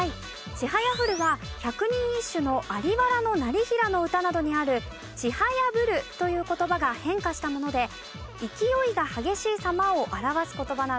「ちはやふる」は百人一首の在原業平の歌などにある「ちはやぶる」という言葉が変化したもので勢いが激しいさまを表す言葉なんです。